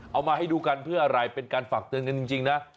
เอามาให้ดูกันเพื่ออะไรเป็นการฝากเตือนกันจริงนะ